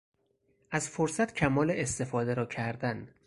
از فرصت کمال استفاده را کردن